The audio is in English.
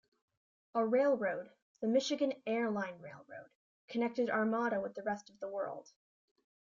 A railroad, the Michigan Air-Line Railroad, connected Armada with the rest of the world.